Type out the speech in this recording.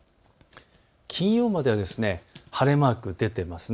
金曜までは晴れマーク出ています。